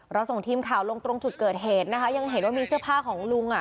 ส่งทีมข่าวลงตรงจุดเกิดเหตุนะคะยังเห็นว่ามีเสื้อผ้าของลุงอ่ะ